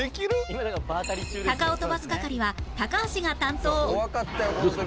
タカを飛ばす係は高橋が担当